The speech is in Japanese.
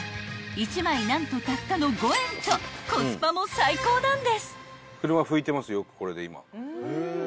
［１枚何とたったの５円とコスパも最高なんです］